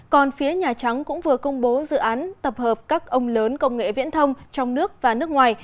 còn phía nhà trắng cũng vừa công bố dự án tập hợp các ông lớn công nghệ viễn thông trong nước và nước ngoài